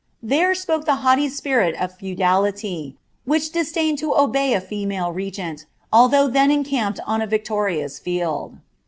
'' There spoke the haughty spirit of emklity, which disdained to obey a female regent, although then en anped on a victorious field.